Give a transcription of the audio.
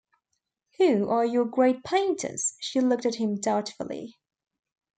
“Who are your great painters?” She looked at him doubtfully.